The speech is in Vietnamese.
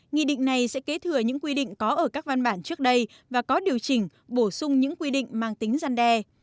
nghị định này sẽ kế thừa những quy định có ở các văn bản trước đây và có điều chỉnh bổ sung những quy định mang tính gian đe